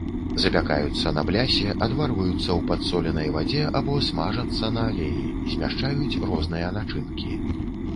Запякаюцца на блясе, адварваюцца ў падсоленай вадзе або смажацца на алеі, змяшчаюць розныя начынкі.